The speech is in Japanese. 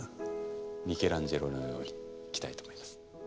ミケランジェロのようにいきたいと思います。